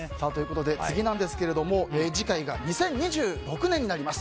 次なんですが次回が２０２６年になります。